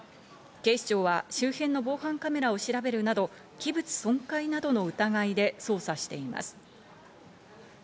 警視庁は周辺の防犯カメラを調べるなど器物損壊などの疑いで捜査しています。